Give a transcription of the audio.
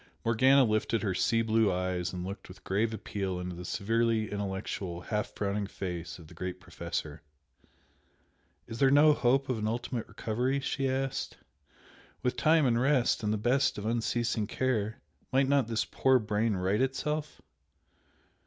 Morgana lifted her sea blue eyes and looked with grave appeal into the severely intellectual, half frowning face of the great Professor. "Is there no hope of an ultimate recovery?" she asked "With time and rest and the best of unceasing care, might not this poor brain right itself?"